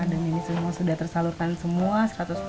dan ini semua sudah tersalurkan semua